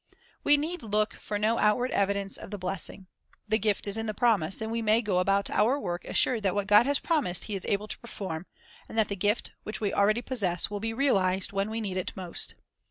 We need look for no outward evidence of the bless ing. The gift is in the promise, and we may go about our work assured that what God has promised He is able to perform, and that the gift, which we already possess, will be realized when we need it most.